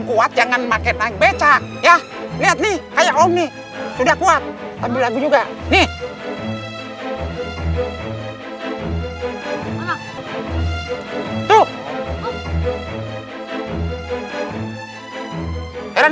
kuat jangan makin baik becak ya lihat nih kayak om nih sudah kuat tapi lagu juga nih tuh heran